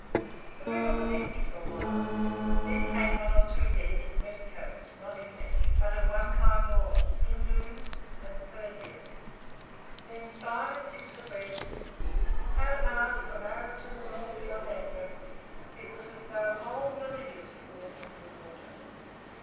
The river was empty for a while. Then came one or two dead, in red coats, not English, but of one kind all Hindus and Purbeeahs then five and six abreast, and at last, from Arrah to the North beyond Agra, it was as though whole villages had walked into the water.